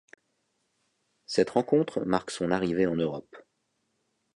Cette rencontre marque son arrivée en Europe.